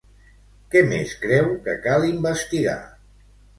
Què més creu que cal investigar?